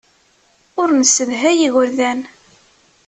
Ur nessedhay igerdan.